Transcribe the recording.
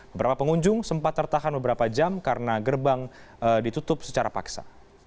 beberapa pengunjung sempat tertahan beberapa jam karena gerbang ditutup secara paksa